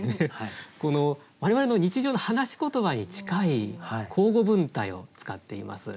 我々の日常の話し言葉に近い口語文体を使っています。